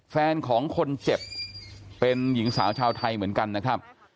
แฟนของคนเจ็บเป็นหญิงสาวชาวไทยเหมือนกันนะครับ